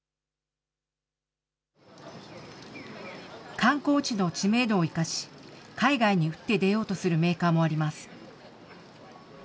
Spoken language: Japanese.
観光地の知名度を生かし、海外に打って出ようとするメーカーもあります。